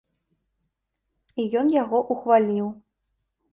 І ён яго ўхваліў.